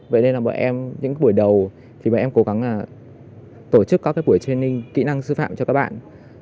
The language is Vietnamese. vậy nên là bọn em những buổi đầu thì bọn em cố gắng tổ chức các buổi training kỹ năng sư phạm cho các bạn